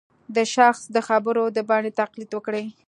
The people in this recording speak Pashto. د شخص د خبرو د بڼې تقلید وکړي